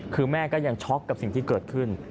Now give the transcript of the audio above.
คือแม่ก็ยังช็อกกับสิ่งที่เกิดขึ้น